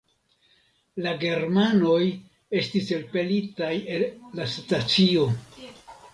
La germanoj estis elpelitaj el la stacio.